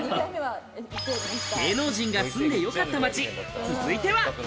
芸能人が住んでよかった街、続いては。